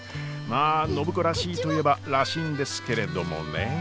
まあ暢子らしいといえばらしいんですけれどもねえ。